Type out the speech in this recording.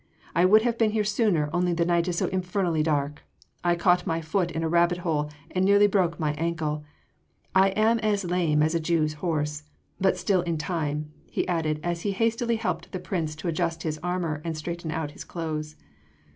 I would have been here sooner only the night is so infernally dark, I caught my foot in a rabbit hole and nearly broke my ankle I am as lame as a Jew’s horse ... but still in time," he added as he hastily helped the Prince to adjust his armour and straighten out his clothes.